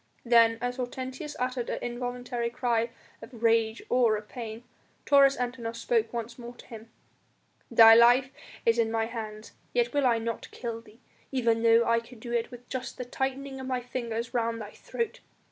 Then, as Hortensius uttered an involuntary cry of rage or of pain, Taurus Antinor spoke once more to him: "Thy life is in my hands yet will I not kill thee, even though I could do it with just the tightening of my fingers round thy throat.